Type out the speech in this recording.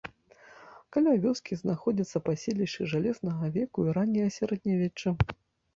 Каля вёскі знаходзяцца паселішчы жалезнага веку і ранняга сярэднявечча.